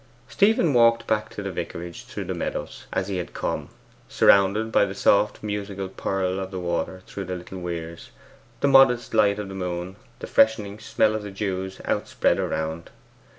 Stephen walked back to the vicarage through the meadows, as he had come, surrounded by the soft musical purl of the water through little weirs, the modest light of the moon, the freshening smell of the dews out spread around.